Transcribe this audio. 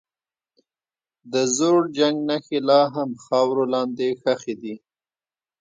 د زوړ جنګ نښې لا هم خاورو لاندې ښخي دي.